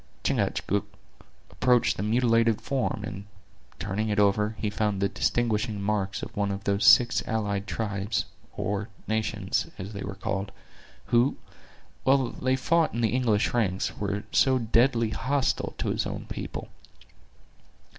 Chingachgook approached the mutilated form, and, turning it over, he found the distinguishing marks of one of those six allied tribes, or nations, as they were called, who, while they fought in the English ranks, were so deadly hostile to his own people.